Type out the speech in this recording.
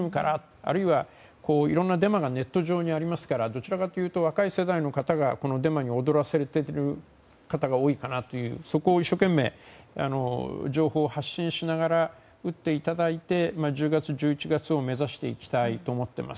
あるいは、いろんなデマがネット上にありますからどちらかというと若い世代の方がこのデマに踊らされている方が多いかなとそこを一生懸命情報を発信しながら打っていただいて１０月１１月を目指していきたいと思っています。